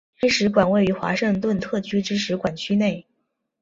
该使馆位于华盛顿特区之使馆区内。